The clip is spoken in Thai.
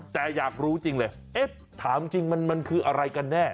แต่อยากรู้จริงเลยเอ๊ะถามจริงมันคืออะไรกันแน่